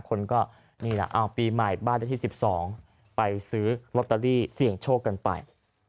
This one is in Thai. คนก็นี่แหละเอาปีใหม่บ้านได้ที่๑๒ไปซื้อลอตเตอรี่เสี่ยงโชคกันไป